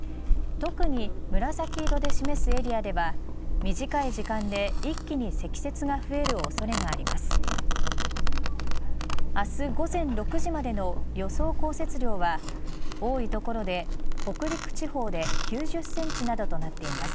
特に紫色で示すエリアでは短い時間で一気に積雪が増える恐れがあります。